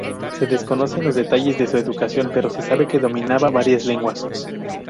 Se desconocen los detalles de su educación, pero se sabe que dominaba varias lenguas.